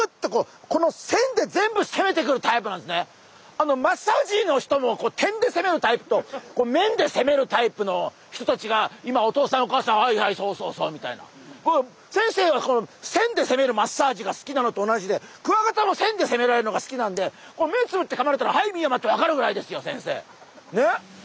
であのマッサージの人も点で攻めるタイプと面で攻めるタイプの人たちが今お父さんお母さん「はいはいそうそうそう」みたいな。先生はこの線で攻めるマッサージが好きなのと同じでクワガタも線で攻められるのが好きなんで目ぇつぶって噛まれたら「はいミヤマ」ってわかるぐらいですよ先生。ね？